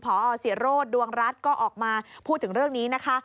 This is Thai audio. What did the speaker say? พอศิโรธดวงรัฐก็ออกมาพูดถึงเรื่องนี้นะคะ